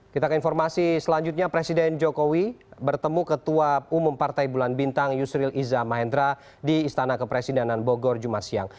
kita ke informasi selanjutnya presiden jokowi bertemu ketua umum partai bulan bintang yusril iza mahendra di istana kepresidenan bogor jumat siang